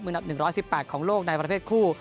อันดับ๑๑๘ของโลกในประเภทคู่